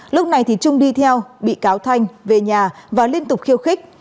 lúc này thì trung đi theo bị cáo thanh về nhà và liên tục khiêu khích